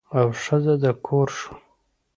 او ښځه د کور شوه.